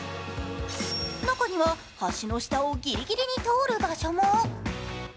中には橋の下をぎりぎりに通る場所も。